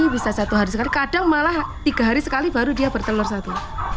bisa satu hari sekali kadang malah tiga hari sekali baru dia bertelur satu